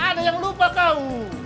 ada yang lupa kau